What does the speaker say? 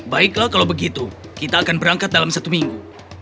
baiklah kalau begitu kita akan berangkat dalam satu minggu